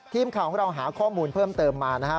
ทีมข่าวของเราหาข้อมูลเพิ่มเติมมานะครับ